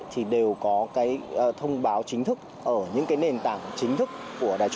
thì đều có thông báo chính thức